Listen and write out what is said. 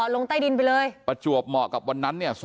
ลงใต้ดินไปเลยประจวบเหมาะกับวันนั้นเนี่ย